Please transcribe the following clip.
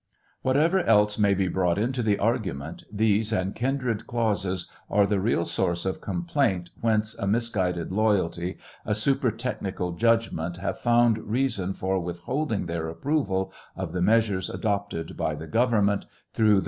Whatever else may be brought into the argument, these and kindred clauses are the real source of complaint whence a misguided loyalty, a super technical judgment, have found reason for withholding their approval of the measures adopted by the government, through the